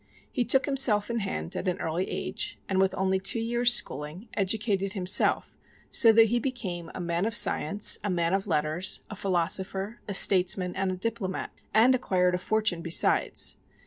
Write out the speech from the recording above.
He took himself in hand at an early age, and with only two years schooling, educated himself so that he became a man of science, a man of letters, a philosopher, a statesman and a diplomat, and acquired a fortune besides.